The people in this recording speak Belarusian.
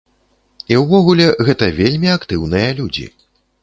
І ўвогуле гэта вельмі актыўныя людзі.